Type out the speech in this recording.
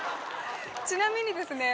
ちなみにですね